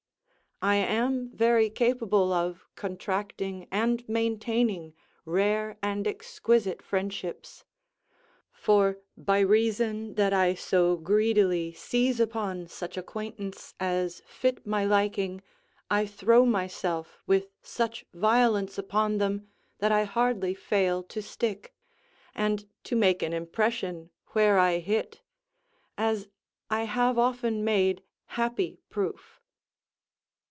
I am very capable of contracting and maintaining rare and exquisite friendships; for by reason that I so greedily seize upon such acquaintance as fit my liking, I throw myself with such violence upon them that I hardly fail to stick, and to make an impression where I hit; as I have often made happy proof.